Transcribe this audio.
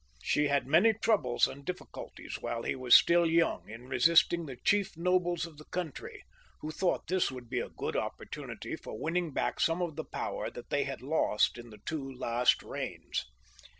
She had many troubles and difficulties while he was still young in resisting the chief nobles of the country, who thought this would be a good opportunity for winning back some of the power that they had lost in the two last reigns.